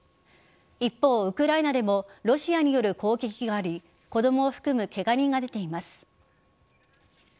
一方、ウクライナでもロシアによる攻撃があり子供を含むケガ人が出ています。